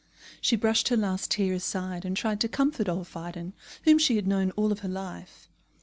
She brushed her last tear aside, and tried to comfort old Phidon, whom she had known all her life.